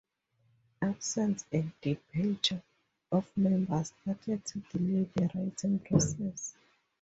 Absence and departure of members started to delay the writing process.